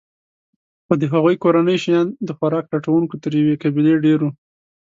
خو د هغوی کورنۍ شیان د خوراک لټونکو تر یوې قبیلې ډېر وو.